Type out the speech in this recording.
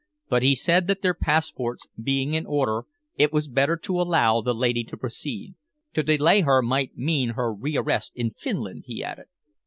But he said that their passports being in order it was better to allow the lady to proceed. To delay her might mean her rearrest in Finland," he added.